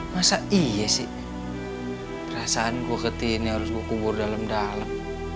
masa iya sih perasaan gue keti ini harus gue kubur dalam dalem